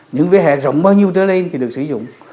những vẻ hẻ rộng bao nhiêu trở lên thì được sử dụng